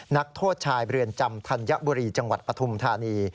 นักโทษชายเรือนจำธัญบุรีจังหวัดปฐุมธานี